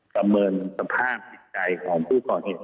ประเมินสภาพจิตใจของผู้ก่อเหตุ